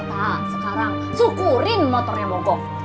nah sekarang syukurin motornya mogok